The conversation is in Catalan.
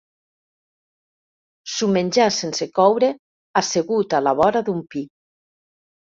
S'ho menjà sense coure, assegut a la vora d'un pi.